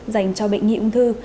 dành cho bệnh nhi ung thư